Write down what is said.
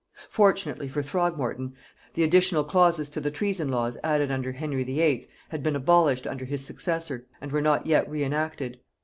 Fortunately for Throgmorton, the additional clauses to the treason laws added under Henry VIII. had been abolished under his successor and were not yet re enacted.